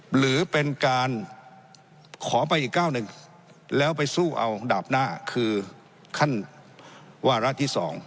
หรือเป็นการขอไปอีกก้าวหนึ่งแล้วไปสู้เอาดาบหน้าคือขั้นวาระที่๒